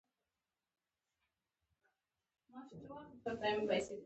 اقتصادي ډیپلوماسي د نړیوالې سوداګرۍ هڅولو او ملي ګټو ته وده ورکولو هنر دی